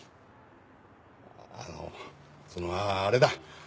あのそのあれだ。